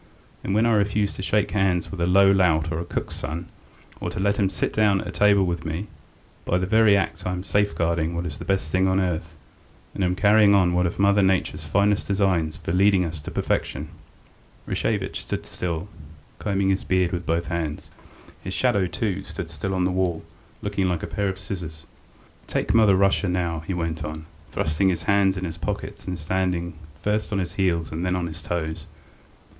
And when I refuse to shake hands with a low lout or a cook's son, or to let him sit down to table with me, by that very act I am safeguarding what is the best thing on earth, and am carrying out one of Mother Nature's finest designs for leading us up to perfection. .." Rashevitch stood still, combing his beard with both hands; his shadow, too, stood still on the wall, looking like a pair of scissors. "Take Mother Russia now," he went on, thrusting his hands in his pockets and standing first on his heels and then on his toes.